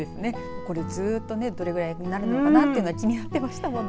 これ、ずっとどれぐらいになるのかなと気になっていましたもんね。